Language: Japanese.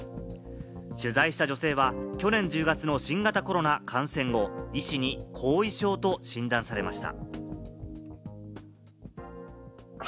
取材した女性は去年１０月の新型コロナ感染後、医師に後遺症と診断されました。